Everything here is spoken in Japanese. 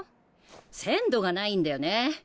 鮮度がないんだよね。